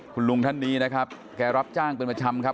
คุณลุงท่านนี้นะครับแกรับจ้างเป็นประจำครับ